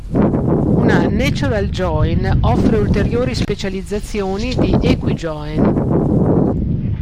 Una natural join offre ulteriori specializzazioni di equi-join.